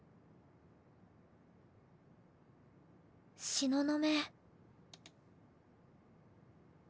東雲。